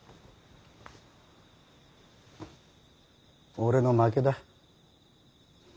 俺の負けだ。